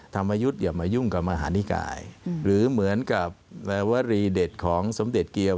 ธรรมยุทธ์อย่ามายุ่งกับมหานิกายหรือเหมือนกับวรีเด็ดของสมเด็จเกี่ยว